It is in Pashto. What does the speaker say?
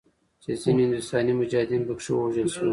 چې ځینې هندوستاني مجاهدین پکښې ووژل شول.